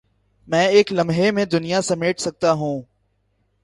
میں ایک لمحے میں دنیا سمیٹ سکتا ہوں